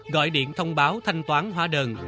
gọi điện thông báo thanh toán hóa đơn